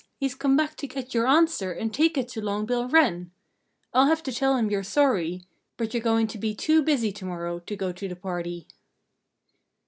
He's come back to get your answer and take it to Long Bill Wren. I'll have to tell him you're sorry but you're going to be too busy to morrow to go to the party."